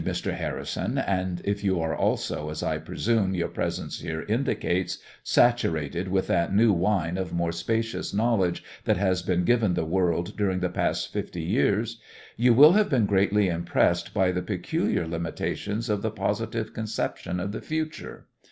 If you read Mr. Harrison, and if you are also, as I presume your presence here indicates, saturated with that new wine of more spacious knowledge that has been given the world during the last fifty years, you will have been greatly impressed by the peculiar limitations of the positivist conception of the future.